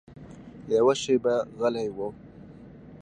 يوه شېبه غلى و.